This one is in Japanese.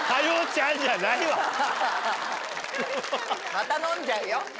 また飲んじゃうよ。